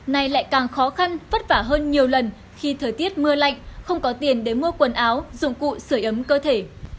nay lại càng khó khăn vất vả hơn nhiều lần khi thời tiết mưa lạnh không có tiền để mua quần áo dụng cụ sửa ấm cơ thể